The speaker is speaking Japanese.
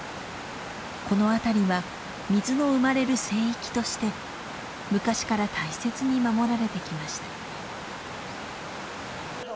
この辺りは水の生まれる聖域として昔から大切に守られてきました。